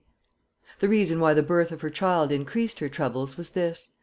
] The reason why the birth of her child increased her troubles was this.